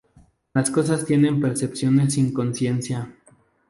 Las cosas tienen percepciones sin conciencia.